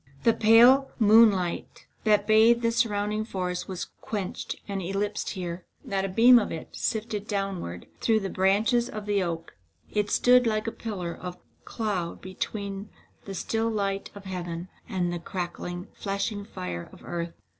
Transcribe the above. The pale, pure moonlight that bathed the surrounding forests was quenched and eclipsed here. Not a beam of it sifted down ward through the branches of the oak. It stood like a pillar of cloud between the still light of heaven and the crackling, flashing fire of earth.